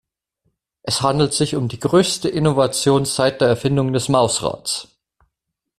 Es handelt sich um die größte Innovation seit der Erfindung des Mausrads.